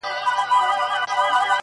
زموږ د شاهباز له شاهپرونو سره لوبي کوي؛